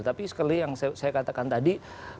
tapi sekali yang saya katakan tadi